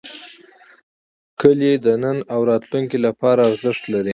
کلي د نن او راتلونکي لپاره ارزښت لري.